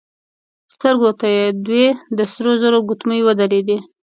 سترګو ته يې دوې د سرو زرو ګوتمۍ ودرېدې.